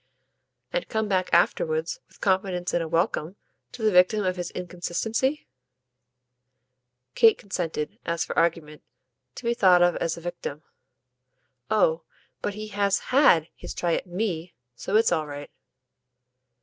"And come back afterwards, with confidence in a welcome, to the victim of his inconstancy?" Kate consented, as for argument, to be thought of as a victim. "Oh but he has HAD his try at ME. So it's all right."